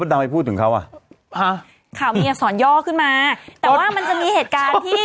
ดำไปพูดถึงเขาอ่ะฮะข่าวมีอักษรย่อขึ้นมาแต่ว่ามันจะมีเหตุการณ์ที่